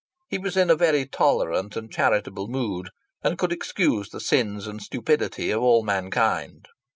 He was in a very tolerant and charitable mood, and could excuse the sins and the stupidity of all mankind.